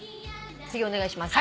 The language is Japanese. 次お願いします。